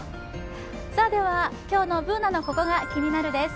今日のＢｏｏｎａの「ココがキニナル」です。